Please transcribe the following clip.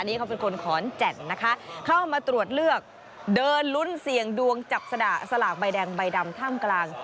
นี่เขาเป็นคนขอนแก่นนะคะเข้ามาตรวจเลือกเดินลุ้นเสี่ยงดวงจับสดะสลากใบแดงใบดำท่ามกลาง